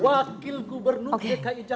wakil gubernur dki jakarta